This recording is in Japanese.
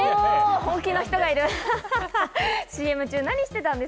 本気の人がいます。